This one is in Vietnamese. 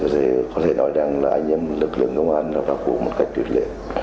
thì có thể nói rằng là anh em lực lượng công an là có một cách tuyệt liệt